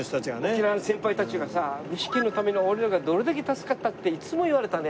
沖縄の先輩たちがさ具志堅のおかげで俺らがどれだけ助かったっていつも言われたね。